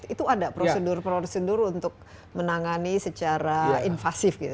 itu ada prosedur prosedur untuk menangani secara invasif gitu